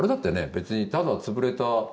別にただ潰れた。